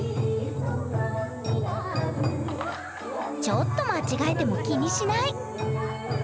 ちょっと間違えても気にしない！